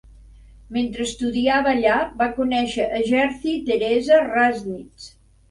Mentre estudiava a allà va conèixer a Gerty Theresa Radnitz.